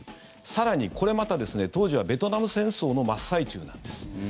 更に、これまた当時はベトナム戦争の真っ最中なんです。